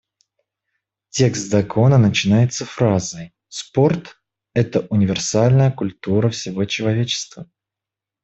Текст закона начинается фразой: «Спорт — это универсальная культура всего человечества».